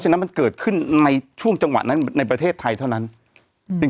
ฉะนั้นมันเกิดขึ้นในช่วงจังหวะนั้นในประเทศไทยเท่านั้นอืม